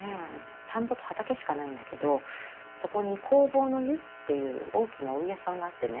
田んぼと畑しかないんだけどそこに弘法湯っていう大きなお湯屋さんがあってね。